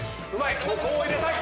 ここを入れたい。